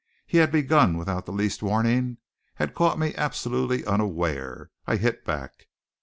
He had begun without the least warning: had caught me absolutely unaware. I hit back.